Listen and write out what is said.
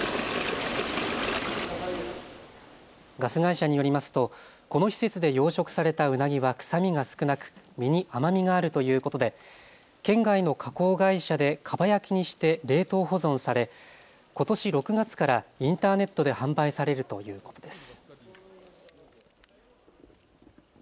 ガス会社によりますとこの施設で養殖されたうなぎは臭みが少なく身に甘みがあるということで県外の加工会社でかば焼きにして冷凍保存されことし６月からインターネットで販売されるということです。